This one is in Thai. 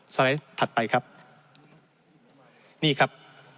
ไลด์ถัดไปครับนี่ครับ